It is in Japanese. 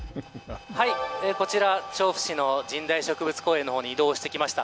こちら、調布市の神代植物公園の方に移動してきました。